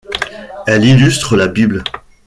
Elles illustrent la Bible.